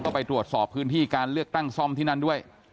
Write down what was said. ก็ไปตรวจสอบพื้นที่การเลือกตั้งซ่อมที่นั่นด้วย